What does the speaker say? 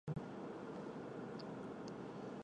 且肇俊哲在比赛中还攻入一球。